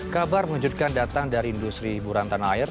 kabar menunjukkan datang dari industri burantan air